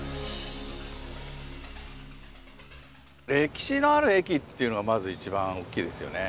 歴史のある駅というのがまず一番大きいですよね。